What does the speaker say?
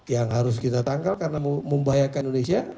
yang harus kita tangkal karena membahayakan indonesia